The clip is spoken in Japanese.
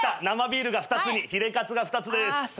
生ビールが２つにヒレカツが２つです。